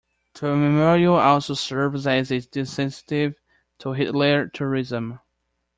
The memorial also serves as a disincentive to "Hitler tourism".